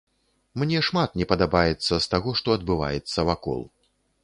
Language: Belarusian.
Мне шмат не падабаецца з таго, што адбываецца вакол.